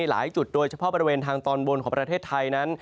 หลายจุดโดยเฉพาะบริเวณทางตอนบนของประเทศไทยนั้น